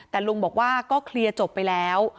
แต่ลุงบอกว่าก็เคลียร์จบไปแล้ว